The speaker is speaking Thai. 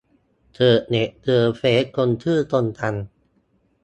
เสิร์ชเน็ต เจอเฟซคนชื่อตรงกัน